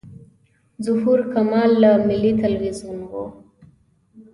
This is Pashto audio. ظهور کمال له ملي تلویزیون و.